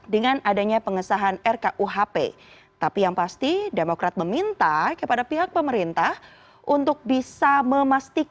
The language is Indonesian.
dengan adanya pengesahan rkuhp tapi yang pasti demokrat meminta kepada pihak pemerintah untuk bisa memastikan